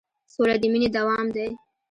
سوله د مینې دوام دی.